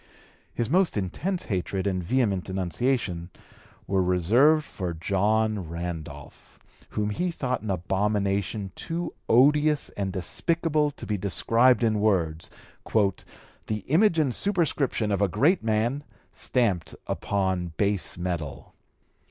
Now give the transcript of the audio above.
His most intense hatred and vehement denunciation were reserved for John Randolph, whom he thought an abomination too odious and despicable to be described in words, "the image and superscription of a great man stamped (p. 211) upon base metal."